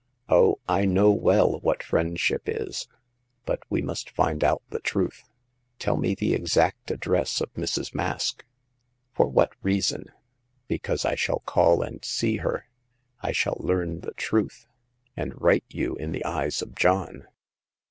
0h, I know well what friendship is ! But we must find out the truth. Tell me the exact address of Mrs. Mask." For what reason ?"Because I shall call and see her. I shall learn the truth, and right you in the eyes of John."